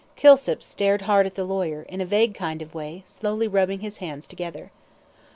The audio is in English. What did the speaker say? Kilsip stared hard at the lawyer, in a vague kind of way, slowly rubbing his hands together.